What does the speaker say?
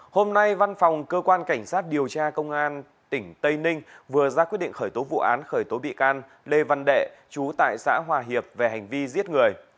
hôm nay văn phòng cơ quan cảnh sát điều tra công an tỉnh tây ninh vừa ra quyết định khởi tố vụ án khởi tố bị can lê văn đệ chú tại xã hòa hiệp về hành vi giết người